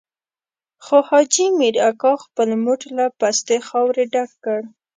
خو حاجي مير اکا خپل موټ له پستې خاورې ډک کړ.